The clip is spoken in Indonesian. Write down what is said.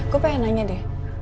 gue pengen nanya deh